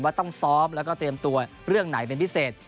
ต้องซ้อมแล้วก็เตรียมตัวเรื่องไหนเป็นพิเศษ